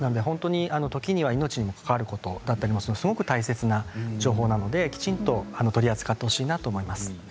時には命に関わることだったりするすごく大切な情報なのできちんと取り扱ってほしいなと思います。